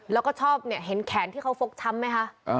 แล้วก็ชอบเนี่ยเห็นแขนที่เขาฟกช้ำไหมคะ